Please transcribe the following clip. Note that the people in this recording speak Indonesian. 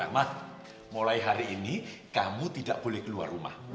mak mulai hari ini kamu tidak boleh keluar rumah